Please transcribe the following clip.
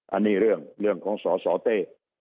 อันนี้เรื่องของสสเต้